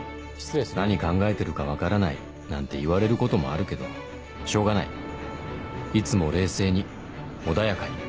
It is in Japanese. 何考えてるか分からないなんて言われることもあるけどしょうがないいつも冷静に穏やかに